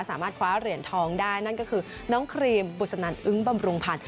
สามารถคว้าเหรียญทองได้นั่นก็คือน้องครีมบุษนันอึ้งบำรุงพันธ์